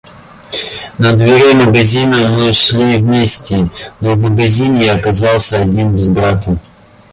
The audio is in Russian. До дверей магазина мы шли вместе, но в магазине я оказался один, без брата.